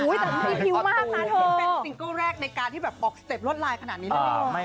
อุ้ยแต่นี่ผิวมากนะเธอเป็นสิงคลแรกในการที่แบบออกสเต็ปรวดลายขนาดนี้แล้วหรือเปล่า